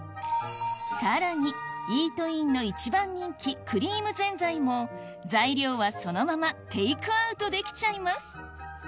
さらにイートインの一番人気も材料はそのままテイクアウトできちゃいます